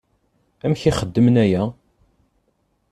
Amek i xedmen aya?